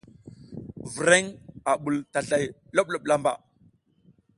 Vreŋ a ɓul tazlay loɓloɓ lamba.